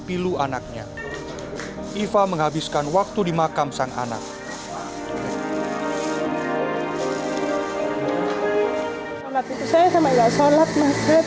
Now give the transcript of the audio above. pilu anaknya iva menghabiskan waktu di makam sang anak itu saya sama ya sholat maghrib